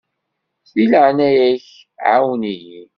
Di leɛnaya-k ɛawen-iyi.